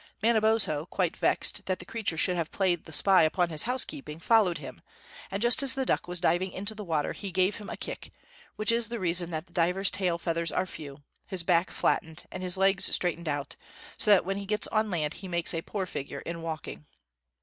Manabozho, quite vexed that the creature should have played the spy upon his house keeping, followed him; and just as the duck was diving into the water, he gave him a kick, which is the reason that the diver's tail feathers are few, his back flattened, and his legs straightened out, so that when he gets on land he makes a poor figure in walking.